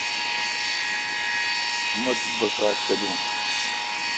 مہ تو بکا تلون۔